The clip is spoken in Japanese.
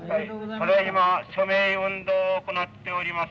ただいま署名運動を行っております。